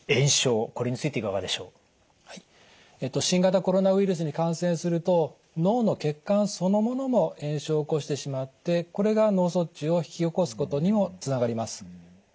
新型コロナウイルスに感染すると脳の血管そのものも炎症を起こしてしまってこれが脳卒中を引き起こすことにもつながります。